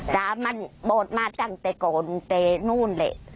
แต่มันโบสถ์มาตั้งแต่ก่อนแต่นู่นเลย